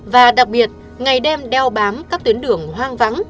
và đặc biệt ngày đêm đeo bám các tuyến đường hoang vắng